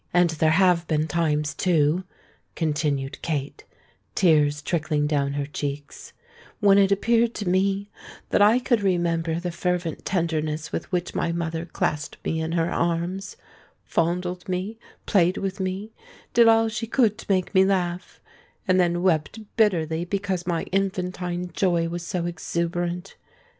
And there have been times, too," continued Kate, tears trickling down her cheeks, "when it appeared to me, that I could remember the fervent tenderness with which my mother clasped me in her arms—fondled me—played with me—did all she could to make me laugh—and then wept bitterly, because my infantine joy was so exuberant!